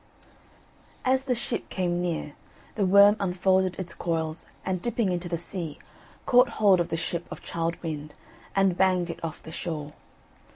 As the ship came near, the Worm unfolded its coils, and dipping into the sea, caught hold of the ship of Childe Wynd, and banged it off the shore.